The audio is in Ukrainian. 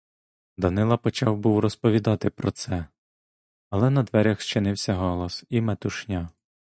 Данило почав був розповідати про це, але на дверях зчинився галас і метушня.